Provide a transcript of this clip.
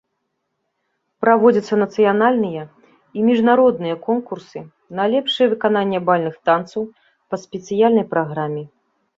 Праводзяцца нацыянальныя і міжнародныя конкурсы на лепшае выкананне бальных танцаў па спецыяльнай праграме.